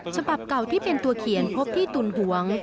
ฉบับเก่าที่เป็นตัวเขียนพบที่ตุนหวง